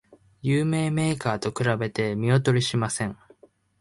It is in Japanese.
有名メーカーと比べて見劣りしません